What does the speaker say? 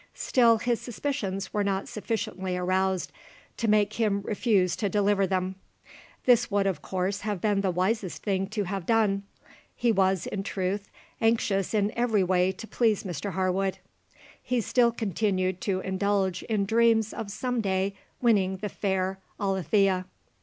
Still, his suspicions were not sufficiently aroused to make him refuse to deliver them. This would of course have been the wisest thing to have done. He was, in truth, anxious in every way to please Mr Harwood. He still continued to indulge in dreams of some day winning the fair Alethea.